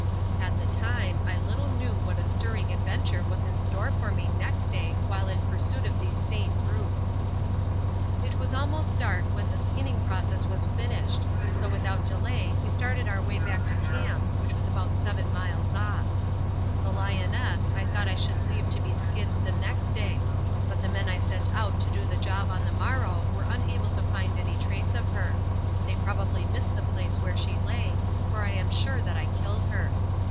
At the time I little knew what a stirring adventure was in store for me next day while in pursuit of these same brutes. It was almost dark when the skinning process was finished, so without delay we started on our way back to camp, which was about seven miles off. The lioness I thought I should leave to be skinned the next day; but the men I sent out to do the job on the morrow were unable to find any trace of her they probably missed the place where she lay, for I am sure that I killed her.